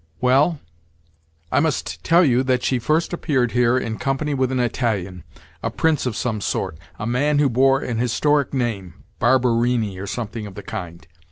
"Well, I must tell you that she first appeared here in company with an Italian—a prince of some sort, a man who bore an historic name (Barberini or something of the kind).